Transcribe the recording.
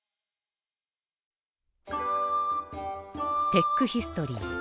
テックヒストリー。